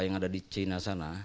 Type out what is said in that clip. yang ada di china sana